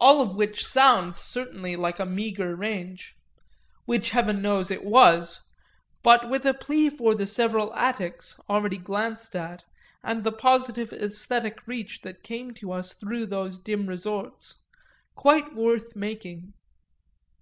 All of which sounds certainly like a meagre range which heaven knows it was; but with a plea for the several attics, already glanced at, and the positive æsthetic reach that came to us through those dim resorts, quite worth making.